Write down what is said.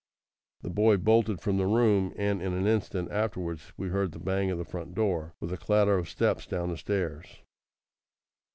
The boy bolted from the room, and in an instant afterwards we heard the bang of the front door, with a clatter of steps down the stairs.